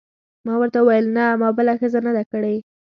ما ورته وویل: نه، ما بله ښځه نه ده کړې.